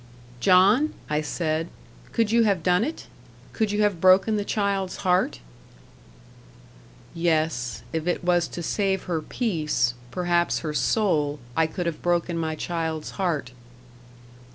"John," I said, "could you have done it? could you have broken the child's heart?" "Yes, if it was to save her peace, perhaps her soul, I could have broken my child's heart."